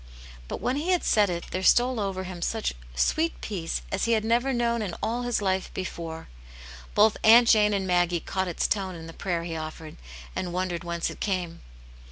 '* But when he had said it there stole over him such sweet peace as he had never known in all his life before : both Aunt Jane and Maggie caught its tone in the prayer he offered, and wondered whence it came.